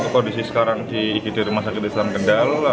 kondisi sekarang di igd rumah sakit islam kendal